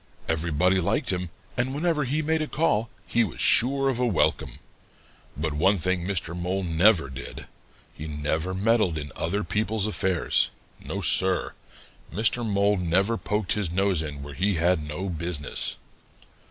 Everybody liked him, and whenever he made a call, he was sure of a welcome. But one thing Mr. Mole never did; he never meddled in other people's affairs. No, Sir, Mr. Mole never poked his nose in where he had no business.